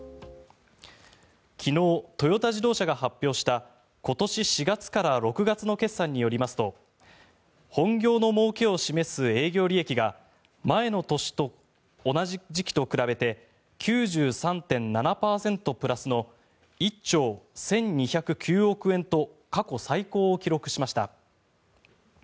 昨日、トヨタ自動車が発表した今年４月から６月の決算によりますと本業のもうけを示す営業利益が前の年の同じ時期と比べて９３．７％プラスの１兆１２０９億円と過去最高を記録しました。